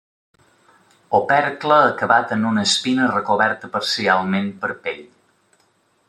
Opercle acabat en una espina recoberta parcialment per pell.